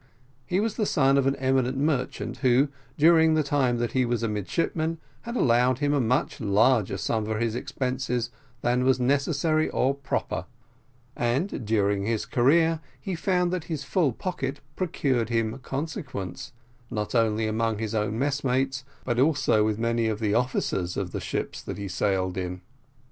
He was the son of an eminent merchant who, during the time that he was a midshipman, had allowed him a much larger sum for his expenses than was necessary or proper; and, during his career, he found that his full pocket procured him consequence, not only among his own messmates, but also with many of the officers of the ships that he sailed in.